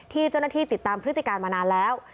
ที่เจ้าหน้าที่ติดตามพฤติการมานานแล้ว